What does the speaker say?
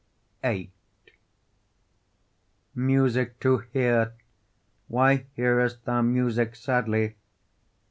VIII Music to hear, why hear'st thou music sadly?